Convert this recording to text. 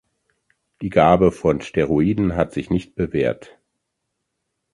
Die Gabe von Steroiden hat sich nicht bewährt.